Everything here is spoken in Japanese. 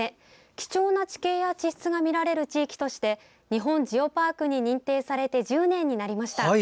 貴重な地形や地質が見られる地域として日本ジオパークに認定されて１０年になりました。